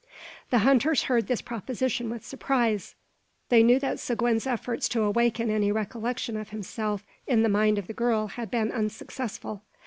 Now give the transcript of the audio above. The hunters heard this proposition with surprise. They knew that Seguin's efforts to awaken any recollection of himself in the mind of the girl had been unsuccessful.